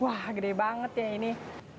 wah gede banget ya ini